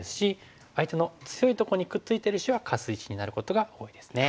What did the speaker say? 相手の強いとこにくっついてる石はカス石になることが多いですね。